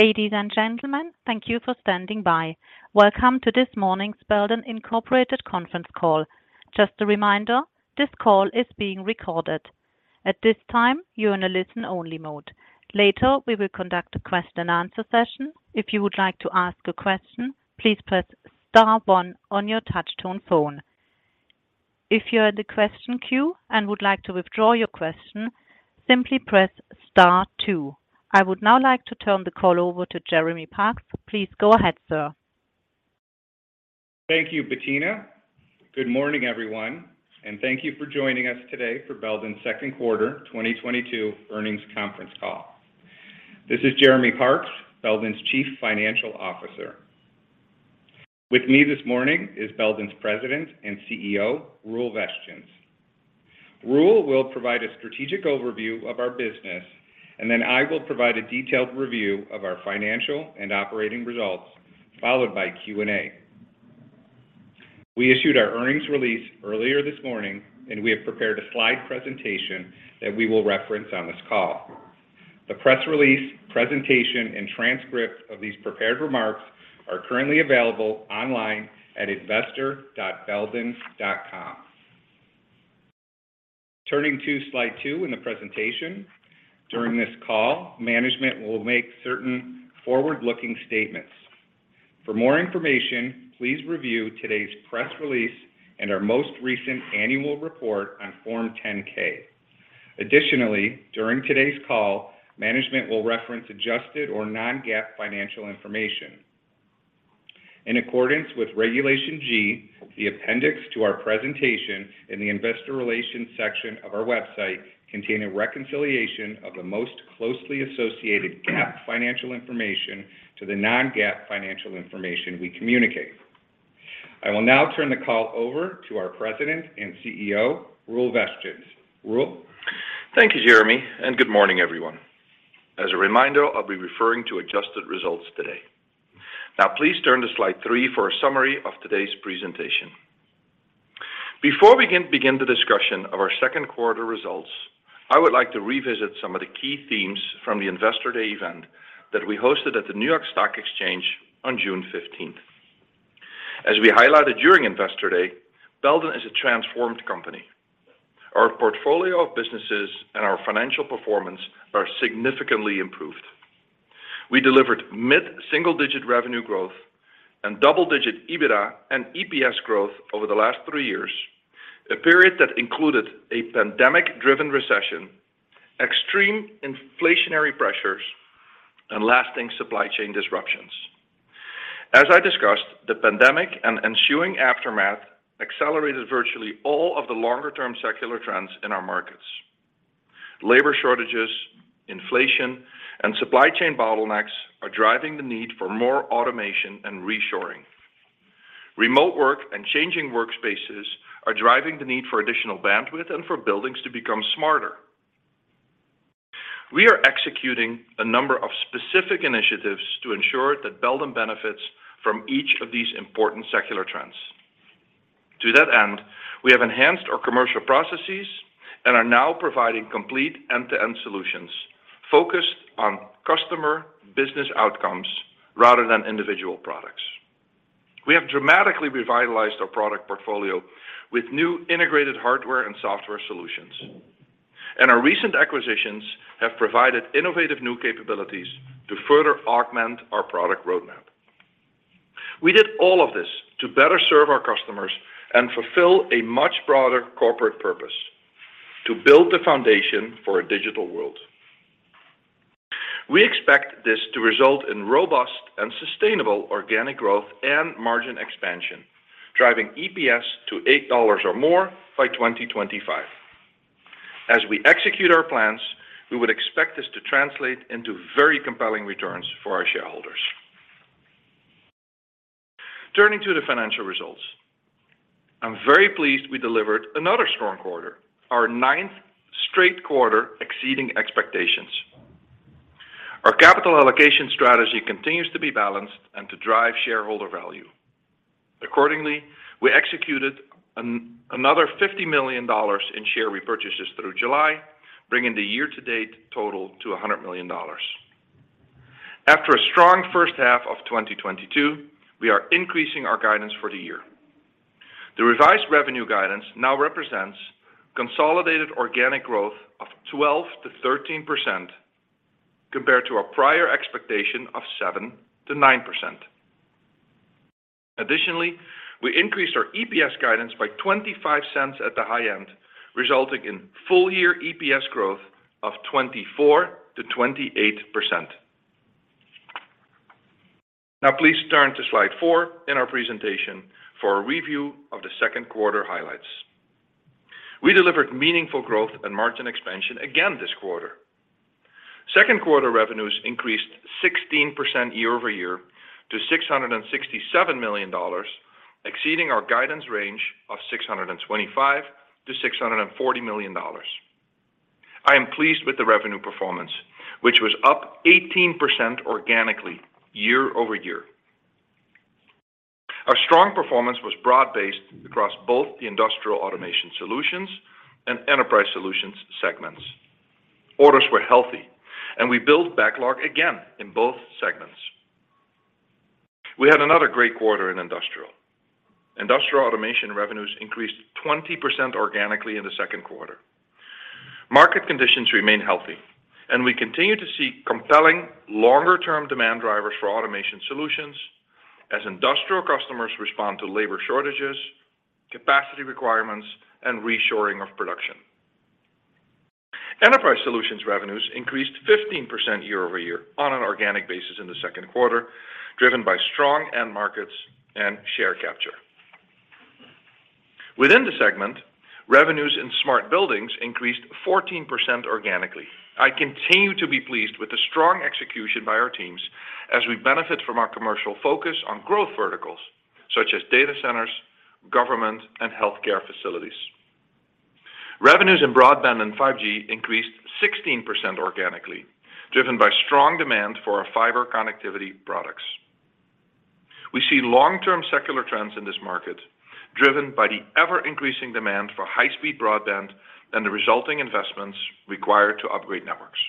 Ladies and gentlemen, thank you for standing by. Welcome to this morning's Belden Inc. conference call. Just a reminder, this call is being recorded. At this time, you're in a listen-only mode. Later, we will conduct a question-and-answer session. If you would like to ask a question, please press star one on your touch-tone phone. If you're in the question queue and would like to withdraw your question, simply press star two. I would now like to turn the call over to Jeremy Parks. Please go ahead, sir. Thank you, Bettina. Good morning, everyone, and thank you for joining us today for Belden's second quarter 2022 earnings conference call. This is Jeremy Parks, Belden's Chief Financial Officer. With me this morning is Belden's President and CEO, Roel Vestjens. Roel will provide a strategic overview of our business, and then I will provide a detailed review of our financial and operating results, followed by Q&A. We issued our earnings release earlier this morning, and we have prepared a slide presentation that we will reference on this call. The press release, presentation, and transcript of these prepared remarks are currently available online at investor.belden.com. Turning to slide two in the presentation, during this call, management will make certain forward-looking statements. For more information, please review today's press release and our most recent annual report on Form 10-K. Additionally, during today's call, management will reference adjusted or non-GAAP financial information. In accordance with Regulation G, the appendix to our presentation in the investor relations section of our website contain a reconciliation of the most closely associated GAAP financial information to the non-GAAP financial information we communicate. I will now turn the call over to our President and CEO, Roel Vestjens. Roel? Thank you, Jeremy, and good morning, everyone. As a reminder, I'll be referring to adjusted results today. Now, please turn to slide three for a summary of today's presentation. Before we can begin the discussion of our second quarter results, I would like to revisit some of the key themes from the Investor Day event that we hosted at the New York Stock Exchange on June 15th. As we highlighted during Investor Day, Belden is a transformed company. Our portfolio of businesses and our financial performance are significantly improved. We delivered mid-single-digit revenue growth and double-digit EBITDA and EPS growth over the last three years, a period that included a pandemic-driven recession, extreme inflationary pressures, and lasting supply chain disruptions. As I discussed, the pandemic and ensuing aftermath accelerated virtually all of the longer-term secular trends in our markets. Labor shortages, inflation, and supply chain bottlenecks are driving the need for more automation and reshoring. Remote work and changing workspaces are driving the need for additional bandwidth and for buildings to become smarter. We are executing a number of specific initiatives to ensure that Belden benefits from each of these important secular trends. To that end, we have enhanced our commercial processes and are now providing complete end-to-end solutions focused on customer business outcomes rather than individual products. We have dramatically revitalized our product portfolio with new integrated hardware and software solutions, and our recent acquisitions have provided innovative new capabilities to further augment our product roadmap. We did all of this to better serve our customers and fulfill a much broader corporate purpose: to build the foundation for a digital world. We expect this to result in robust and sustainable organic growth and margin expansion, driving EPS to $8 or more by 2025. As we execute our plans, we would expect this to translate into very compelling returns for our shareholders. Turning to the financial results. I'm very pleased we delivered another strong quarter, our ninth straight quarter exceeding expectations. Our capital allocation strategy continues to be balanced and to drive shareholder value. Accordingly, we executed another $50 million in share repurchases through July, bringing the year-to-date total to $100 million. After a strong first half of 2022, we are increasing our guidance for the year. The revised revenue guidance now represents consolidated organic growth of 12%-13% compared to our prior expectation of 7%-9%. Additionally, we increased our EPS guidance by $0.25 at the high end, resulting in full-year EPS growth of 24%-28%. Now please turn to slide four in our presentation for a review of the second quarter highlights. We delivered meaningful growth and margin expansion again this quarter. Second quarter revenues increased 16% year-over-year to $667 million, exceeding our guidance range of $625 million-$640 million. I am pleased with the revenue performance, which was up 18% organically year-over-year. Strong performance was broad-based across both the Industrial Automation Solutions and Enterprise Solutions segments. Orders were healthy, and we built backlog again in both segments. We had another great quarter in industrial. Industrial Automation revenues increased 20% organically in the second quarter. Market conditions remain healthy, and we continue to see compelling longer-term demand drivers for automation solutions as industrial customers respond to labor shortages, capacity requirements, and reshoring of production. Enterprise Solutions revenues increased 15% year-over-year on an organic basis in the second quarter, driven by strong end markets and share capture. Within the segment, revenues in smart buildings increased 14% organically. I continue to be pleased with the strong execution by our teams as we benefit from our commercial focus on growth verticals such as data centers, government, and healthcare facilities. Revenues in broadband and 5G increased 16% organically, driven by strong demand for our fiber connectivity products. We see long-term secular trends in this market, driven by the ever-increasing demand for high-speed broadband and the resulting investments required to upgrade networks.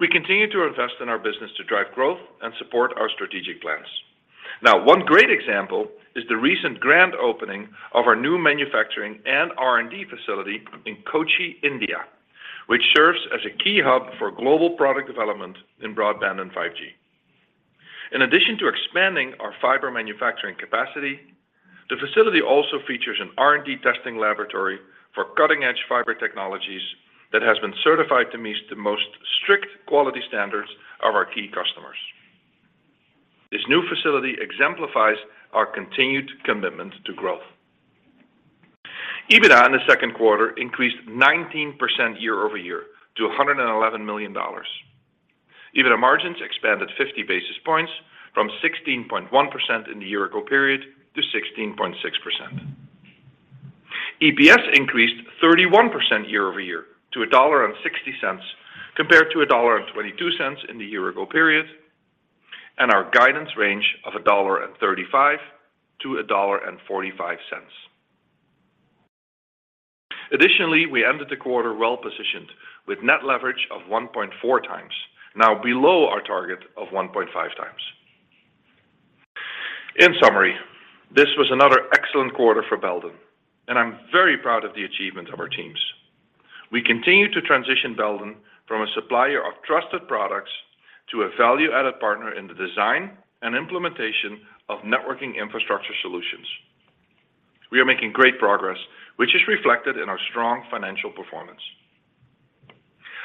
We continue to invest in our business to drive growth and support our strategic plans. Now, one great example is the recent grand opening of our new manufacturing and R&D facility in Kochi, India, which serves as a key hub for global product development in broadband and 5G. In addition to expanding our fiber manufacturing capacity, the facility also features an R&D testing laboratory for cutting-edge fiber technologies that has been certified to meet the most strict quality standards of our key customers. This new facility exemplifies our continued commitment to growth. EBITDA in the second quarter increased 19% year-over-year to $111 million. EBITDA margins expanded 50 basis points from 16.1% in the year-ago period to 16.6%. EPS increased 31% year-over-year to $1.60 compared to $1.22 in the year-ago period, and our guidance range of $1.35-$1.45. Additionally, we ended the quarter well-positioned with net leverage of 1.4x, now below our target of 1.5x. In summary, this was another excellent quarter for Belden, and I'm very proud of the achievements of our teams. We continue to transition Belden from a supplier of trusted products to a value-added partner in the design and implementation of networking infrastructure solutions. We are making great progress, which is reflected in our strong financial performance.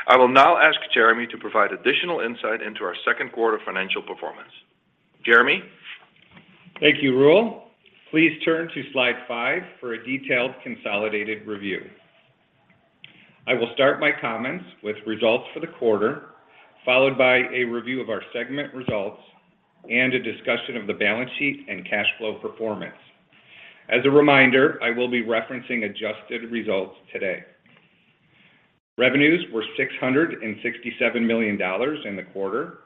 I will now ask Jeremy to provide additional insight into our second quarter financial performance. Jeremy? Thank you, Roel. Please turn to slide five for a detailed consolidated review. I will start my comments with results for the quarter, followed by a review of our segment results and a discussion of the balance sheet and cash flow performance. As a reminder, I will be referencing adjusted results today. Revenues were $667 million in the quarter,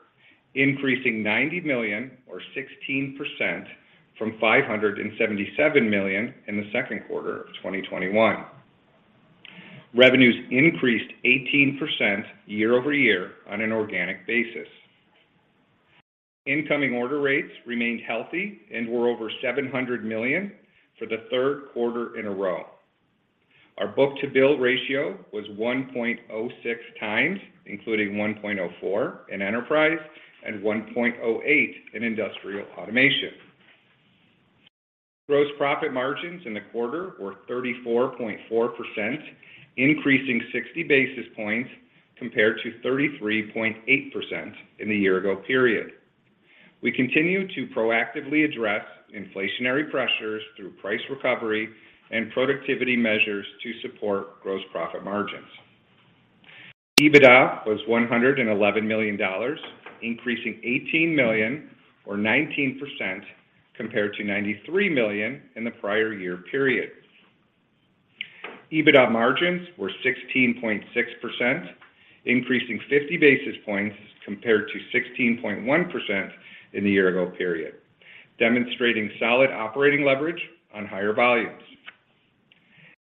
increasing $90 million or 16% from $577 million in the second quarter of 2021. Revenues increased 18% year-over-year on an organic basis. Incoming order rates remained healthy and were over $700 million for the third quarter in a row. Our book-to-bill ratio was 1.06x, including 1.04 in enterprise and 1.08 in industrial automation. Gross profit margins in the quarter were 34.4%, increasing 60 basis points compared to 33.8% in the year-ago period. We continue to proactively address inflationary pressures through price recovery and productivity measures to support gross profit margins. EBITDA was $111 million, increasing $18 million or 19% compared to $93 million in the prior year period. EBITDA margins were 16.6%, increasing 50 basis points compared to 16.1% in the year-ago period, demonstrating solid operating leverage on higher volumes.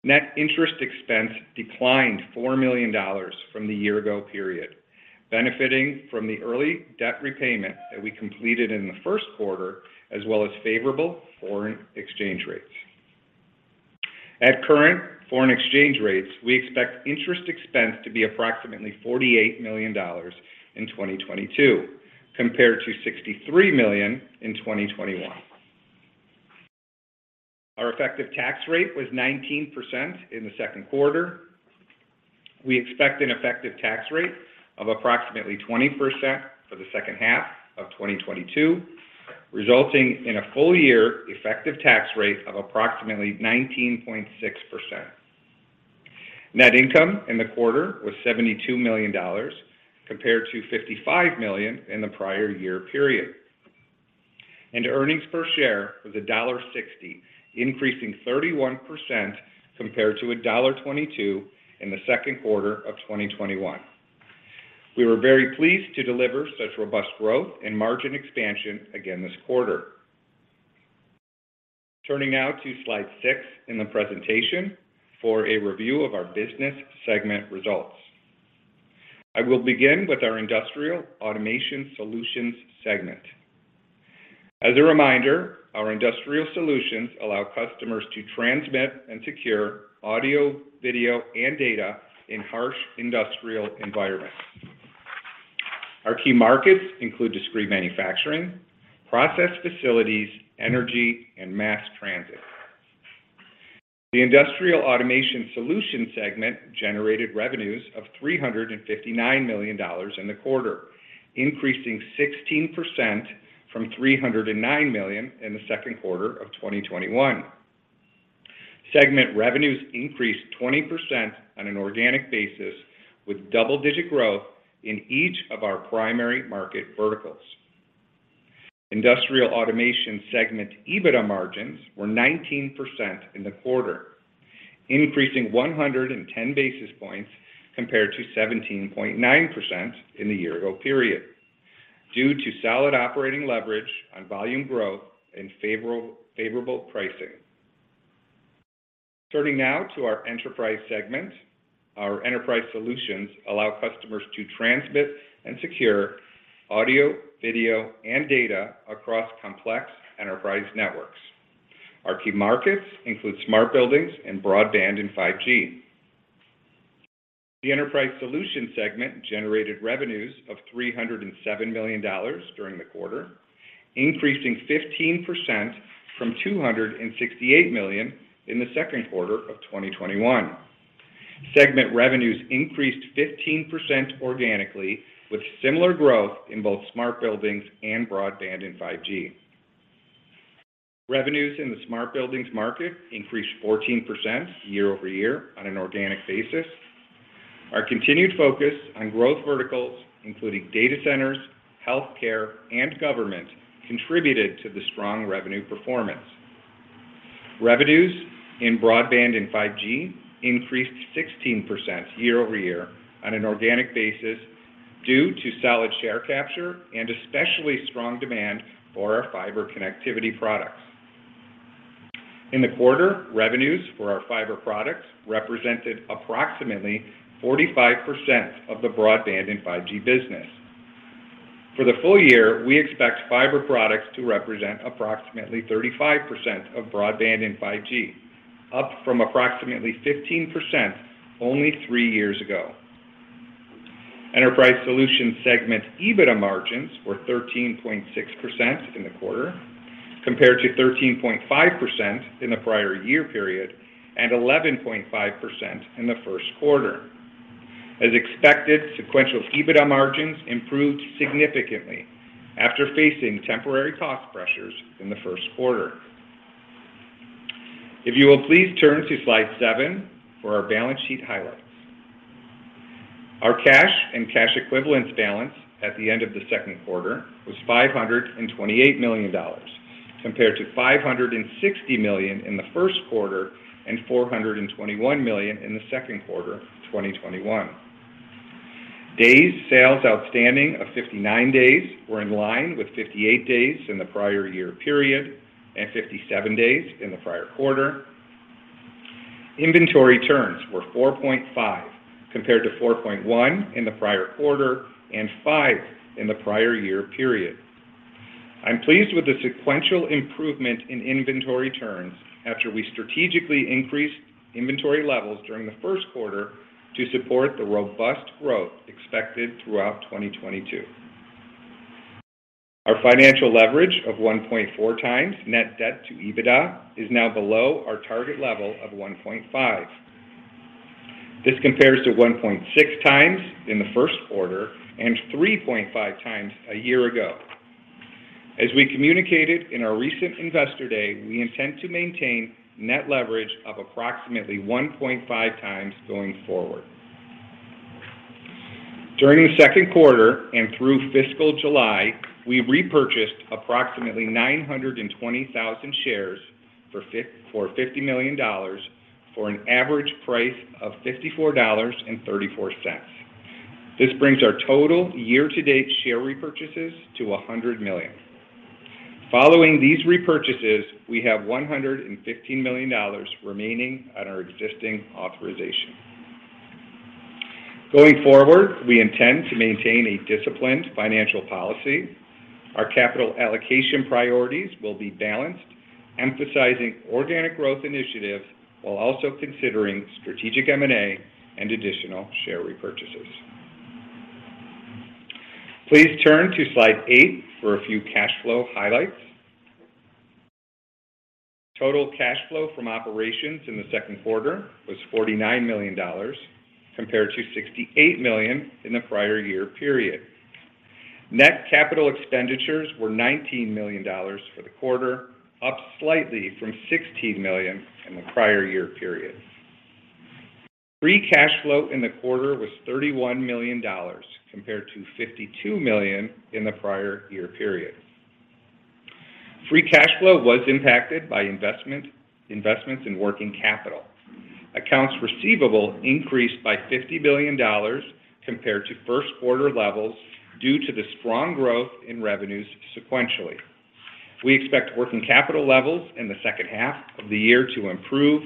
Net interest expense declined $4 million from the year-ago period, benefiting from the early debt repayment that we completed in the first quarter, as well as favorable foreign exchange rates. At current foreign exchange rates, we expect interest expense to be approximately $48 million in 2022 compared to $63 million in 2021. Our effective tax rate was 19% in the second quarter. We expect an effective tax rate of approximately 20% for the second half of 2022, resulting in a full year effective tax rate of approximately 19.6%. Net income in the quarter was $72 million compared to $55 million in the prior year period. Earnings per share was $1.60, increasing 31% compared to $1.22 in the second quarter of 2021. We were very pleased to deliver such robust growth and margin expansion again this quarter. Turning now to slide six in the presentation for a review of our business segment results. I will begin with our Industrial Automation Solutions segment. As a reminder, our industrial solutions allow customers to transmit and secure audio, video, and data in harsh industrial environments. Our key markets include discrete manufacturing, process facilities, energy, and mass transit. The Industrial Automation Solutions segment generated revenues of $359 million in the quarter, increasing 16% from $309 million in the second quarter of 2021. Segment revenues increased 20% on an organic basis with double-digit growth in each of our primary market verticals. Industrial Automation segment EBITDA margins were 19% in the quarter, increasing 110 basis points compared to 17.9% in the year-ago period due to solid operating leverage on volume growth and favorable pricing. Turning now to our Enterprise segment. Our enterprise solutions allow customers to transmit and secure audio, video, and data across complex enterprise networks. Our key markets include smart buildings and broadband and 5G. The Enterprise Solutions segment generated revenues of $307 million during the quarter, increasing 15% from $268 million in the second quarter of 2021. Segment revenues increased 15% organically, with similar growth in both smart buildings and broadband and 5G. Revenues in the smart buildings market increased 14% year-over-year on an organic basis. Our continued focus on growth verticals, including data centers, healthcare, and government, contributed to the strong revenue performance. Revenues in broadband and 5G increased 16% year-over-year on an organic basis due to solid share capture and especially strong demand for our fiber connectivity products. In the quarter, revenues for our fiber products represented approximately 45% of the broadband and 5G business. For the full year, we expect fiber products to represent approximately 35% of broadband and 5G, up from approximately 15% only three years ago. Enterprise Solutions segment EBITDA margins were 13.6% in the quarter, compared to 13.5% in the prior year period and 11.5% in the first quarter. As expected, sequential EBITDA margins improved significantly after facing temporary cost pressures in the first quarter. If you will please turn to slide seven for our balance sheet highlights. Our cash and cash equivalents balance at the end of the second quarter was $528 million, compared to $560 million in the first quarter and $421 million in the second quarter of 2021. Days sales outstanding of 59 days were in line with 58 days in the prior year period and 57 days in the prior quarter. Inventory turns were 4.5, compared to 4.1 in the prior quarter and five in the prior year period. I'm pleased with the sequential improvement in inventory turns after we strategically increased inventory levels during the first quarter to support the robust growth expected throughout 2022. Our financial leverage of 1.4x net debt to EBITDA is now below our target level of 1.5. This compares to 1.6x in the first quarter and 3.5x a year ago. As we communicated in our recent Investor Day, we intend to maintain net leverage of approximately 1.5x going forward. During the second quarter and through fiscal July, we repurchased approximately 920,000 shares for $50 million for an average price of $54.34. This brings our total year-to-date share repurchases to $100 million. Following these repurchases, we have $115 million remaining on our existing authorization. Going forward, we intend to maintain a disciplined financial policy. Our capital allocation priorities will be balanced, emphasizing organic growth initiatives while also considering strategic M&A and additional share repurchases. Please turn to slide eight for a few cash flow highlights. Total cash flow from operations in the second quarter was $49 million, compared to $68 million in the prior year period. Net capital expenditures were $19 million for the quarter, up slightly from $16 million in the prior year period. Free cash flow in the quarter was $31 million, compared to $52 million in the prior year period. Free cash flow was impacted by investments in working capital. Accounts receivable increased by $50 million compared to first quarter levels due to the strong growth in revenues sequentially. We expect working capital levels in the second half of the year to improve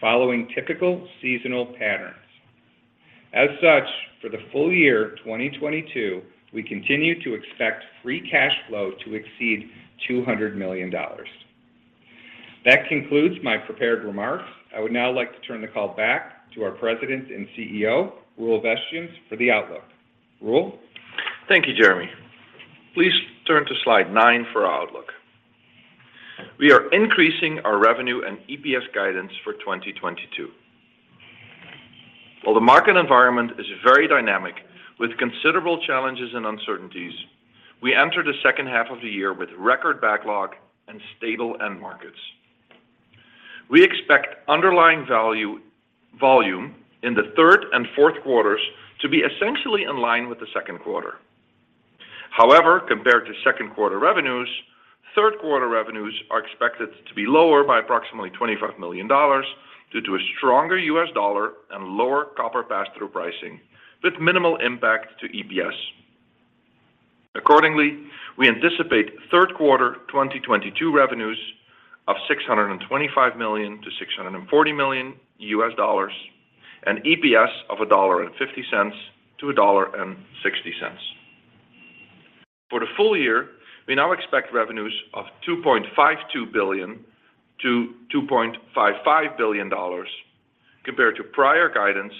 following typical seasonal patterns. As such, for the full year 2022, we continue to expect free cash flow to exceed $200 million. That concludes my prepared remarks. I would now like to turn the call back to our President and CEO, Roel Vestjens, for the outlook. Roel. Thank you, Jeremy. Please turn to slide nine for our outlook. We are increasing our revenue and EPS guidance for 2022. While the market environment is very dynamic with considerable challenges and uncertainties, we enter the second half of the year with record backlog and stable end markets. We expect underlying value volume in the third and fourth quarters to be essentially in line with the second quarter. However, compared to second quarter revenues, third quarter revenues are expected to be lower by approximately $25 million due to a stronger U.S. dollar and lower copper pass-through pricing, with minimal impact to EPS. Accordingly, we anticipate third quarter 2022 revenues of $625 million-$640 million and EPS of $1.50-$1.60. For the full year, we now expect revenues of $2.52 billion-$2.55 billion, compared to prior guidance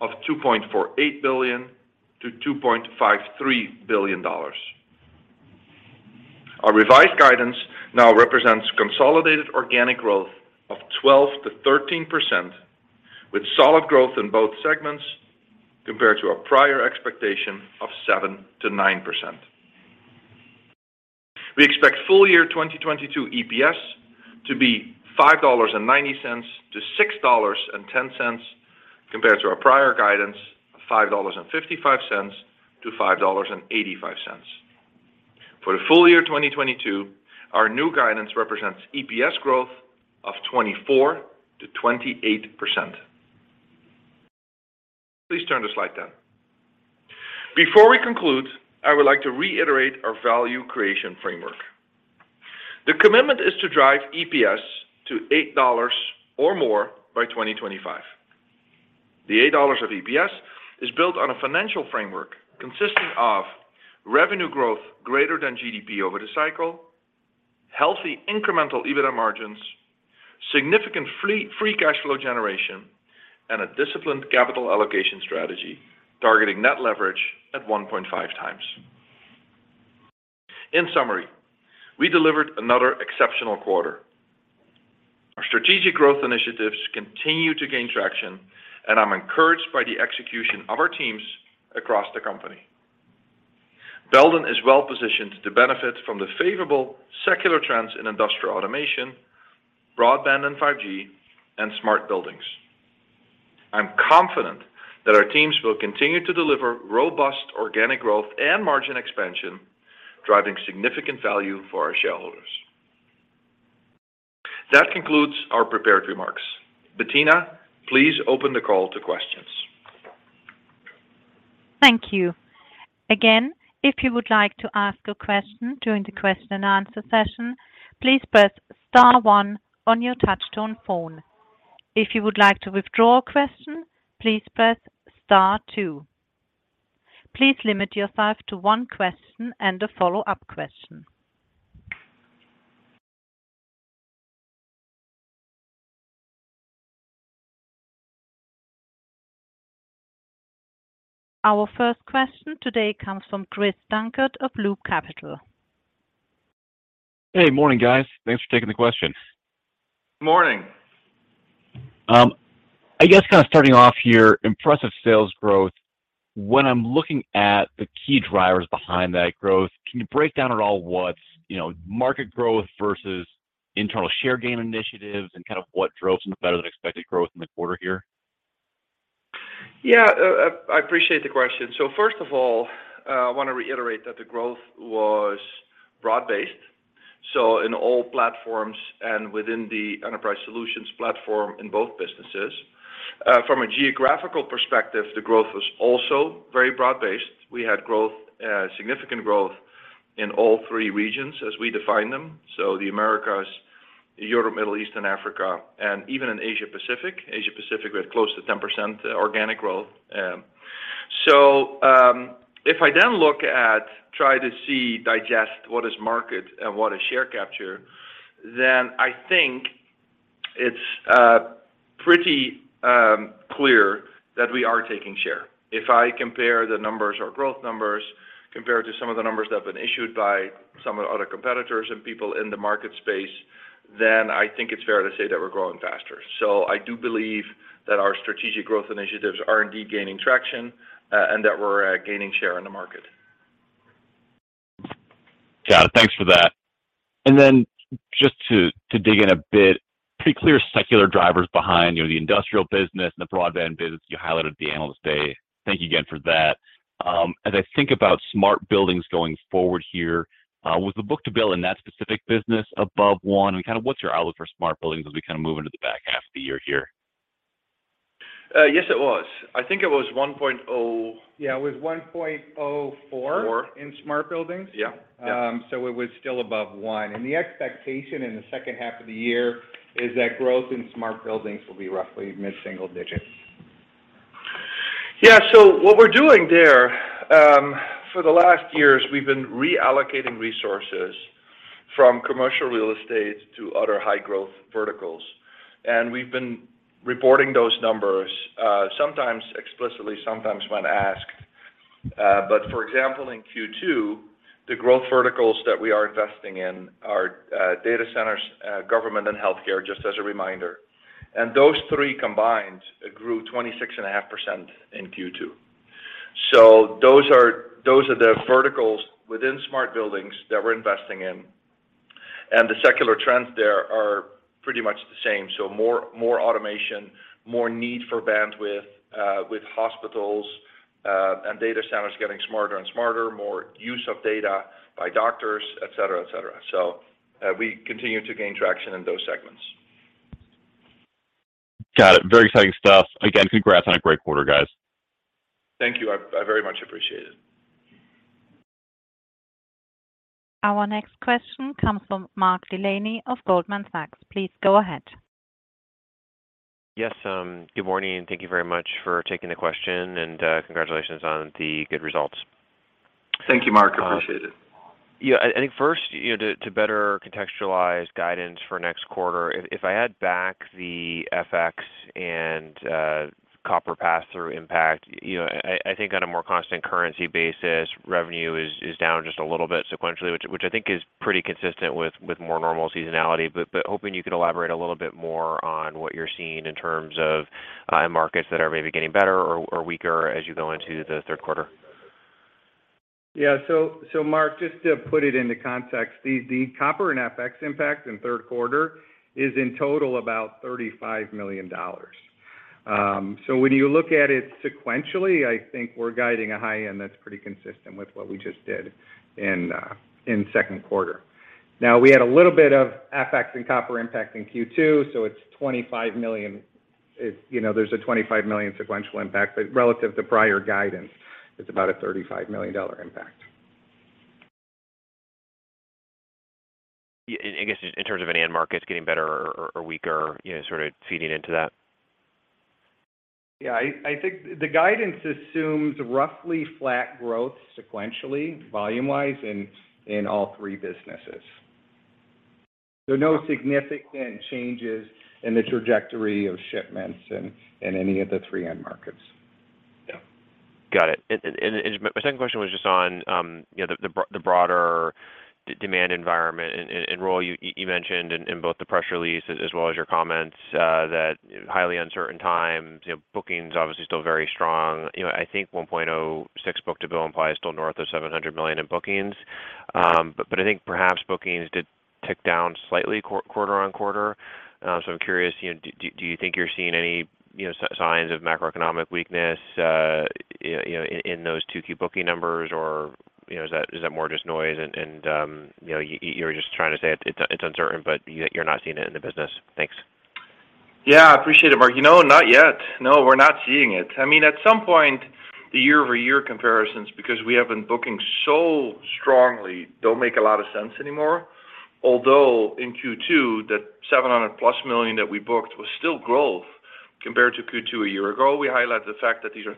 of $2.48 billion-$2.53 billion. Our revised guidance now represents consolidated organic growth of 12%-13%, with solid growth in both segments compared to our prior expectation of 7%-9%. We expect full year 2022 EPS to be $5.90-$6.10, compared to our prior guidance of $5.55-$5.85. For the full year 2022, our new guidance represents EPS growth of 24%-28%. Please turn to slide 10. Before we conclude, I would like to reiterate our Value Creation Framework. The commitment is to drive EPS to $8 or more by 2025. The $8 of EPS is built on a financial framework consisting of revenue growth greater than GDP over the cycle, healthy incremental EBITDA margins, significant free cash flow generation, and a disciplined capital allocation strategy, targeting net leverage at 1.5 times. In summary, we delivered another exceptional quarter. Our strategic growth initiatives continue to gain traction, and I'm encouraged by the execution of our teams across the company. Belden is well-positioned to benefit from the favorable secular trends in industrial automation, broadband and 5G, and smart buildings. I'm confident that our teams will continue to deliver robust organic growth and margin expansion, driving significant value for our shareholders. That concludes our prepared remarks. Bettina, please open the call to questions. Thank you. Again, if you would like to ask a question during the question-and-answer session, please press star one on your touchtone phone. If you would like to withdraw a question, please press star two. Please limit yourself to one question and a follow-up question. Our first question today comes from Chris Dankert of Loop Capital. Hey. Morning, guys. Thanks for taking the question. Morning. I guess kind of starting off here, impressive sales growth. When I'm looking at the key drivers behind that growth, can you break down at all what's, you know, market growth versus internal share gain initiatives and kind of what drove some better-than-expected growth in the quarter here? Yeah. I appreciate the question. First of all, I wanna reiterate that the growth was broad-based, so in all platforms and within the Enterprise Solutions platform in both businesses. From a geographical perspective, the growth was also very broad-based. We had growth, significant growth in all three regions as we define them, so the Americas, Europe, Middle East, and Africa, and even in Asia Pacific. Asia Pacific, we had close to 10% organic growth. If I then look at try to see, digest what is market and what is share capture, then I think it's pretty clear that we are taking share. If I compare the numbers or growth numbers compared to some of the numbers that have been issued by some of the other competitors and people in the market space, then I think it's fair to say that we're growing faster. I do believe that our strategic growth initiatives are indeed gaining traction, and that we're gaining share in the market. Got it. Thanks for that. Just to dig in a bit. Pretty clear secular drivers behind, you know, the industrial business and the broadband business you highlighted at the Analyst Day. Thank you again for that. As I think about smart buildings going forward here, was the book-to-bill in that specific business above one, and kind of what's your outlook for smart buildings as we kind of move into the back half of the year here? Yes, it was. I think it was 1.0- Yeah, it was 1.04. Four In smart buildings. Yeah. Yeah. It was still above one. The expectation in the second half of the year is that growth in smart buildings will be roughly mid-single-digit%. Yeah. What we're doing there, for the last years, we've been reallocating resources from commercial real estate to other high-growth verticals. We've been reporting those numbers, sometimes explicitly, sometimes when asked. For example, in Q2, the growth verticals that we are investing in are, data centers, government and healthcare, just as a reminder. Those three combined grew 26.5% in Q2. Those are the verticals within smart buildings that we're investing in, and the secular trends there are pretty much the same. More automation, more need for bandwidth, with hospitals, and data centers getting smarter and smarter, more use of data by doctors, et cetera, et cetera. We continue to gain traction in those segments. Got it. Very exciting stuff. Again, congrats on a great quarter, guys. Thank you. I very much appreciate it. Our next question comes from Mark Delaney of Goldman Sachs. Please go ahead. Yes. Good morning, and thank you very much for taking the question, and congratulations on the good results. Thank you, Mark. Appreciate it. Yeah. I think first, you know, to better contextualize guidance for next quarter, if I add back the FX and copper pass-through impact, you know, I think on a more constant currency basis, revenue is down just a little bit sequentially, which I think is pretty consistent with more normal seasonality. Hoping you could elaborate a little bit more on what you're seeing in terms of end markets that are maybe getting better or weaker as you go into the third quarter. Mark, just to put it into context, the copper and FX impact in third quarter is in total about $35 million. When you look at it sequentially, I think we're guiding a high end that's pretty consistent with what we just did in second quarter. Now, we had a little bit of FX and copper impact in Q2, so it's $25 million. You know, there's a $25 million sequential impact, but relative to prior guidance, it's about a $35 million impact. Yeah. I guess in terms of any end markets getting better or weaker, you know, sort of feeding into that. Yeah. I think the guidance assumes roughly flat growth sequentially, volume-wise in all three businesses. There are no significant changes in the trajectory of shipments in any of the three end markets. Yeah. Got it. My second question was just on, you know, the broader demand environment. Roel, you mentioned in both the press release as well as your comments, that highly uncertain times, you know, bookings obviously still very strong. You know, I think 1.06 book-to-bill implies still north of $700 million in bookings. But I think perhaps bookings did tick down slightly quarter on quarter. So I'm curious, you know, do you think you're seeing any, you know, signs of macroeconomic weakness, you know, in those 2Q booking numbers? Or, you know, is that more just noise and, you know, you're just trying to say it's uncertain, but you're not seeing it in the business? Thanks. Yeah, appreciate it, Mark. You know, not yet. No, we're not seeing it. I mean, at some point, the year-over-year comparisons, because we have been booking so strongly, don't make a lot of sense anymore. Although in Q2, that $700+ million that we booked was still growth compared to Q2 a year ago. We highlight the fact that these are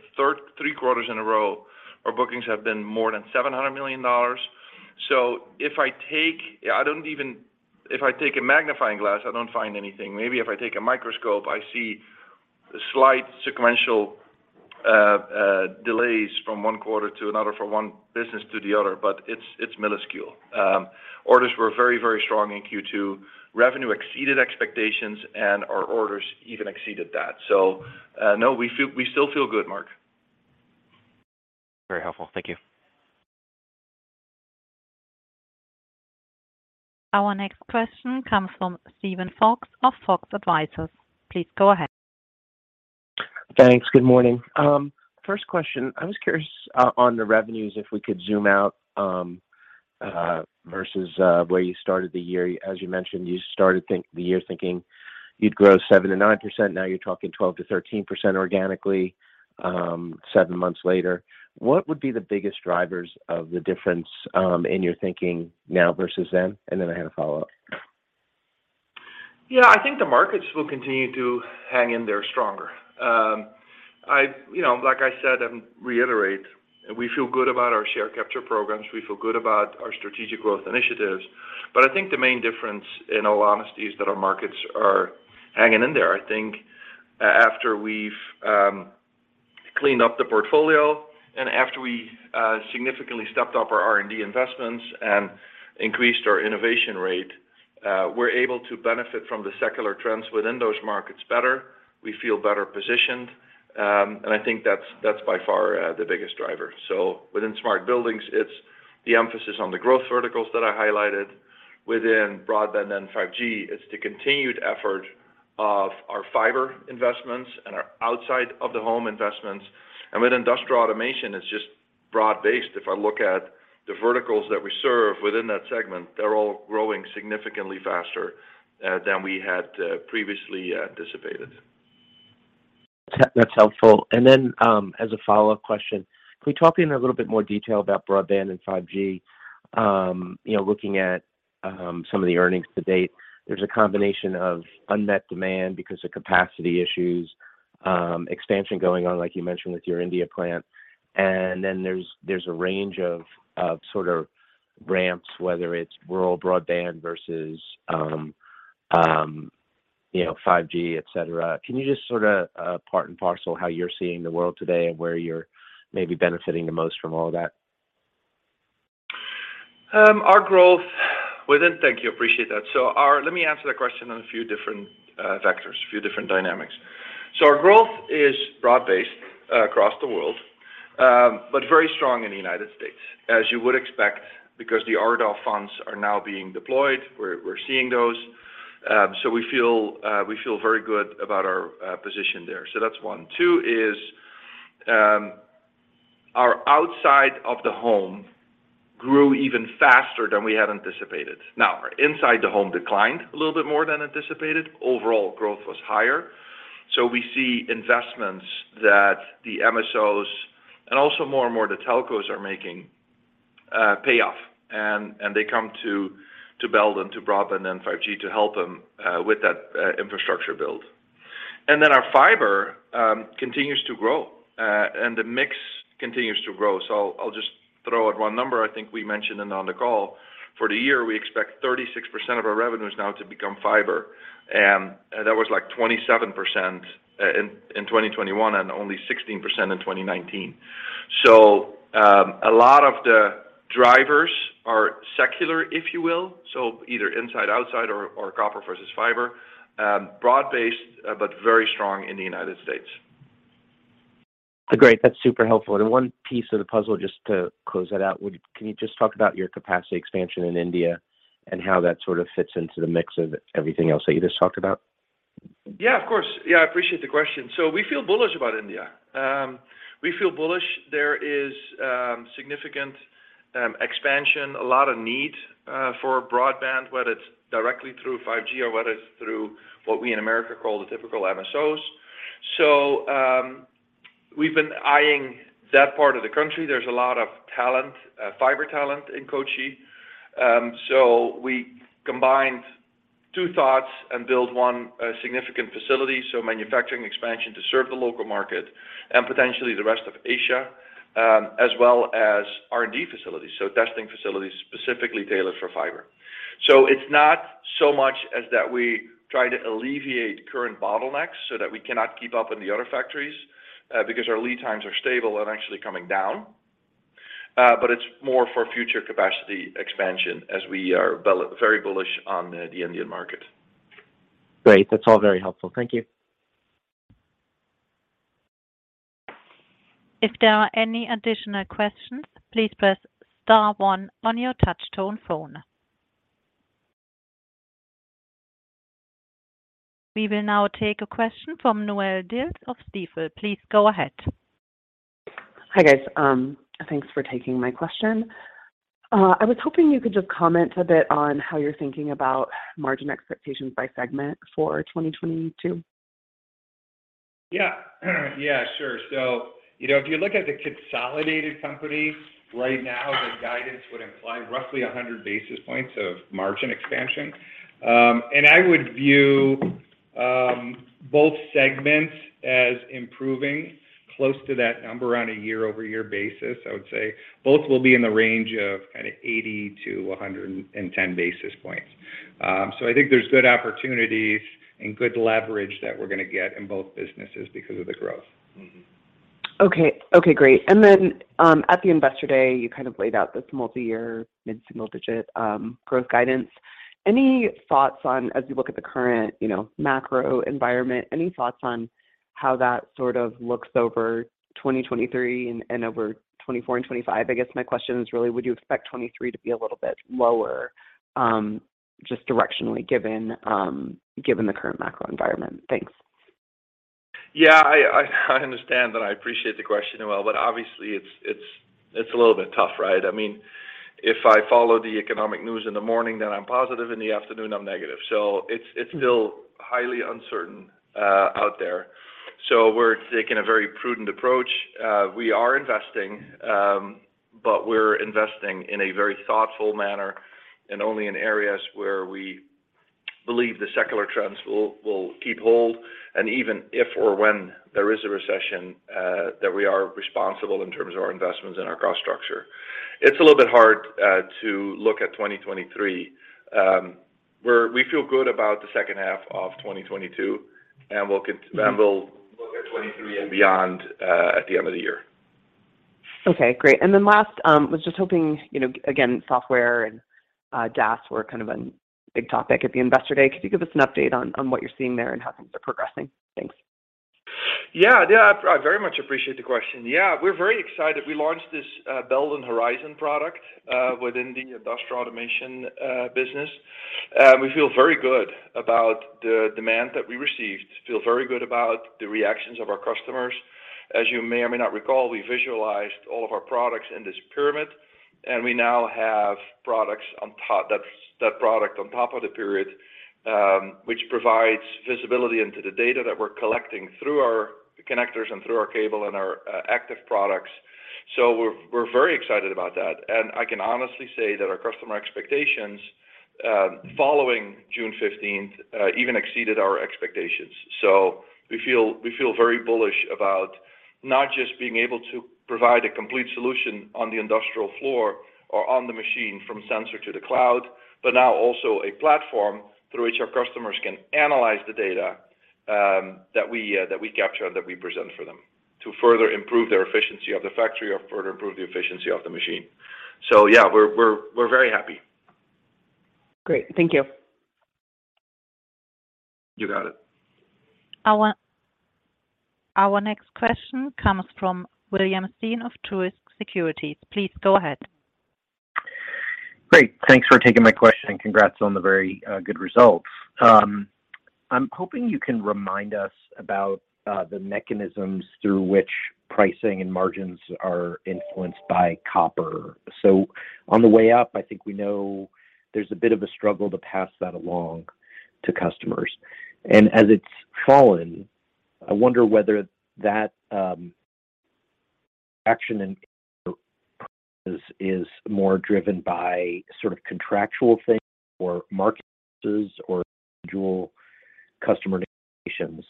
three quarters in a row, our bookings have been more than $700 million. If I take a magnifying glass, I don't find anything. Maybe if I take a microscope, I see slight sequential delays from one quarter to another, from one business to the other, but it's minuscule. Orders were very, very strong in Q2. Revenue exceeded expectations, and our orders even exceeded that. No, we still feel good, Mark. Very helpful. Thank you. Our next question comes from Steven Fox of Fox Advisors. Please go ahead. Thanks. Good morning. First question, I was curious on the revenues, if we could zoom out versus where you started the year. As you mentioned, you started the year thinking you'd grow 7%-9%. Now you're talking 12%-13% organically, seven months later. What would be the biggest drivers of the difference in your thinking now versus then? I have a follow-up. Yeah. I think the markets will continue to hang in there stronger. You know, like I said and reiterate, we feel good about our share capture programs, we feel good about our strategic growth initiatives, but I think the main difference, in all honesty, is that our markets are hanging in there. I think after we've cleaned up the portfolio and after we significantly stepped up our R&D investments and increased our innovation rate, we're able to benefit from the secular trends within those markets better. We feel better positioned. I think that's by far the biggest driver. Within smart buildings, it's the emphasis on the growth verticals that I highlighted within broadband and 5G is the continued effort of our fiber investments and our outside of the home investments. With industrial automation, it's just broad-based. If I look at the verticals that we serve within that segment, they're all growing significantly faster than we had previously anticipated. That's helpful. As a follow-up question, can we talk in a little bit more detail about broadband and 5G? You know, looking at some of the earnings to date, there's a combination of unmet demand because of capacity issues, expansion going on, like you mentioned with your India plant. There's a range of sort of ramps, whether it's rural broadband versus you know, 5G, et cetera. Can you just sort of part and parcel how you're seeing the world today and where you're maybe benefiting the most from all of that? Thank you. Appreciate that. Let me answer that question on a few different vectors, a few different dynamics. Our growth is broad-based across the world, but very strong in the United States, as you would expect, because the ARPA funds are now being deployed. We're seeing those. We feel very good about our position there. That's one. Two is, our outside of the home grew even faster than we had anticipated. Inside the home declined a little bit more than anticipated. Overall growth was higher. We see investments that the MSOs, and also more and more the telcos are making, payoff, and they come to Belden, to broadband and 5G to help them with that infrastructure build. Our fiber continues to grow, and the mix continues to grow. I'll just throw out one number I think we mentioned on the call. For the year, we expect 36% of our revenues now to become fiber. That was like 27% in 2021 and only 16% in 2019. A lot of the drivers are secular, if you will. Either inside, outside, or copper versus fiber. Broad-based, but very strong in the United States. Great. That's super helpful. The one piece of the puzzle, just to close that out, can you just talk about your capacity expansion in India and how that sort of fits into the mix of everything else that you just talked about? Yeah, of course. Yeah, I appreciate the question. We feel bullish about India. We feel bullish. There is significant expansion, a lot of need for broadband, whether it's directly through 5G or whether it's through what we in America call the typical MSOs. We've been eyeing that part of the country. There's a lot of talent, fiber talent in Kochi. We combined two thoughts and built one significant facility, so manufacturing expansion to serve the local market and potentially the rest of Asia, as well as R&D facilities, so testing facilities specifically tailored for fiber. It's not so much as that we try to alleviate current bottlenecks so that we cannot keep up in the other factories, because our lead times are stable and actually coming down. It's more for future capacity expansion as we are very bullish on the Indian market. Great. That's all very helpful. Thank you. If there are any additional questions, please press star one on your touch tone phone. We will now take a question from Noelle Dilts of Stifel. Please go ahead. Hi, guys. Thanks for taking my question. I was hoping you could just comment a bit on how you're thinking about margin expectations by segment for 2022. Yeah. Yeah, sure. You know, if you look at the consolidated company right now, the guidance would imply roughly 100 basis points of margin expansion. I would view both segments as improving close to that number on a year-over-year basis. I would say both will be in the range of kinda 80-110 basis points. I think there's good opportunities and good leverage that we're gonna get in both businesses because of the growth. Okay. Okay, great. Then, at the Investor Day, you kind of laid out this multi-year mid-single digit growth guidance. Any thoughts on, as you look at the current, you know, macro environment, any thoughts on how that sort of looks over 2023 and over 2024 and 2025? I guess my question is really, would you expect 2023 to be a little bit lower, just directionally given the current macro environment? Thanks. Yeah, I understand that. I appreciate the question, Noelle. Obviously it's a little bit tough, right? I mean, if I follow the economic news in the morning, then I'm positive, in the afternoon, I'm negative. It's still highly uncertain out there. We're taking a very prudent approach. We are investing, but we're investing in a very thoughtful manner and only in areas where we believe the secular trends will keep hold. Even if or when there is a recession, that we are responsible in terms of our investments and our cost structure. It's a little bit hard to look at 2023. We feel good about the second half of 2022, and we'll look at 2023 and beyond at the end of the year. Okay, great. Last, was just hoping, you know, again, software and DAS were kind of a big topic at the Investor Day. Could you give us an update on what you're seeing there and how things are progressing? Thanks. Yeah, I very much appreciate the question. Yeah, we're very excited. We launched this Belden Horizon product within the industrial automation business. We feel very good about the demand that we received, feel very good about the reactions of our customers. As you may or may not recall, we visualized all of our products in this pyramid, and we now have that product on top of the pyramid, which provides visibility into the data that we're collecting through our connectors and through our cable and our active products. We're very excited about that. I can honestly say that our customer expectations following June 15th even exceeded our expectations. We feel very bullish about not just being able to provide a complete solution on the industrial floor or on the machine from sensor to the cloud, but now also a platform through which our customers can analyze the data, that we capture, that we present for them to further improve their efficiency of the factory or further improve the efficiency of the machine. Yeah, we're very happy. Great. Thank you. You got it. Our next question comes from William Stein of Truist Securities. Please go ahead. Great. Thanks for taking my question, and congrats on the very good results. I'm hoping you can remind us about the mechanisms through which pricing and margins are influenced by copper. On the way up, I think we know there's a bit of a struggle to pass that along to customers. As it's fallen, I wonder whether that action is more driven by sort of contractual things or market or customer negotiations.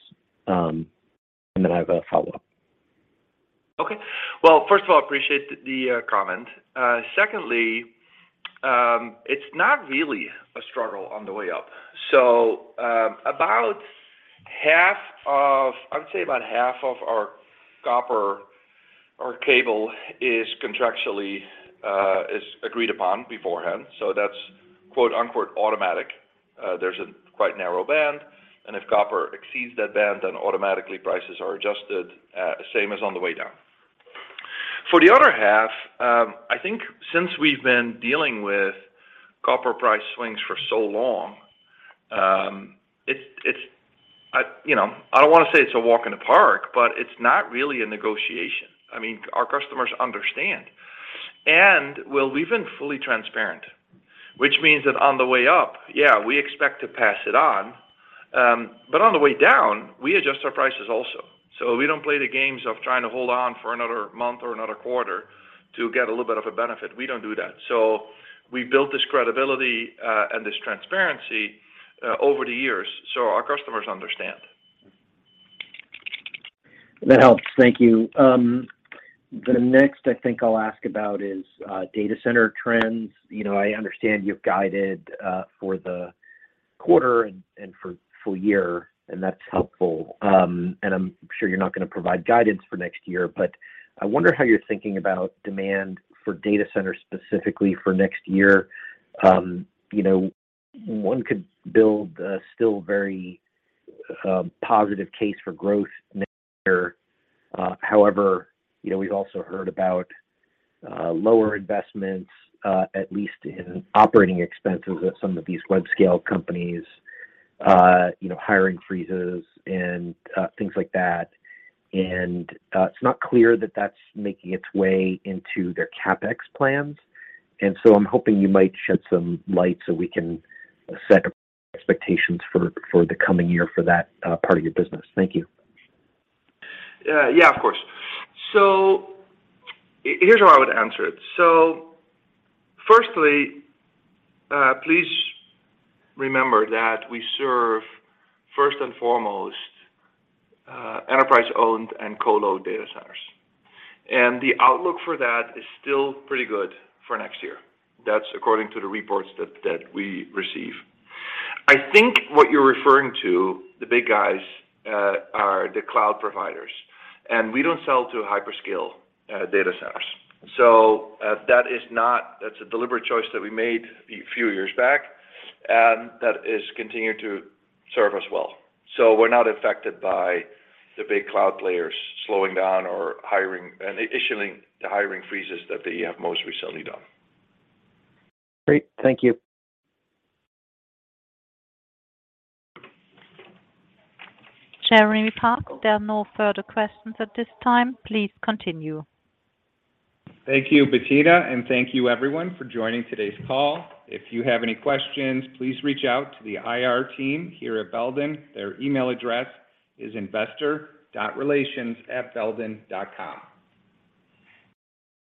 I've a follow-up. Well, first of all, I appreciate the comment. Secondly, it's not really a struggle on the way up. About half of our copper or cable is contractually agreed upon beforehand, so that's quote-unquote automatic. There's a quite narrow band, and if copper exceeds that band, then automatically prices are adjusted, same as on the way down. For the other half, I think since we've been dealing with copper price swings for so long, it's you know, I don't want to say it's a walk in the park, but it's not really a negotiation. I mean, our customers understand. We're even fully transparent, which means that on the way up, yeah, we expect to pass it on, but on the way down, we adjust our prices also. We don't play the games of trying to hold on for another month or another quarter to get a little bit of a benefit. We don't do that. We built this credibility, and this transparency, over the years, so our customers understand. That helps. Thank you. The next I think I'll ask about is data center trends. You know, I understand you've guided for the quarter and for full year, and that's helpful. I'm sure you're not gonna provide guidance for next year, but I wonder how you're thinking about demand for data centers specifically for next year. You know, one could build a still very positive case for growth next year. However, you know, we've also heard about lower investments, at least in operating expenses at some of these web-scale companies, you know, hiring freezes and things like that. It's not clear that that's making its way into their CapEx plans. I'm hoping you might shed some light so we can set expectations for the coming year for that part of your business. Thank you. Yeah, of course. Here's how I would answer it. Firstly, please remember that we serve first and foremost enterprise-owned and co-located data centers. The outlook for that is still pretty good for next year. That's according to the reports that we receive. I think what you're referring to, the big guys, are the cloud providers, and we don't sell to hyperscale data centers. That is not. That's a deliberate choice that we made a few years back, and that is continuing to serve us well. We're not affected by the big cloud players slowing down or hiring and issuing the hiring freezes that they have most recently done. Great. Thank you. Jeremy Parks, there are no further questions at this time. Please continue. Thank you, Bettina, and thank you everyone for joining today's call. If you have any questions, please reach out to the IR team here at Belden. Their email address is investor.relations@belden.com.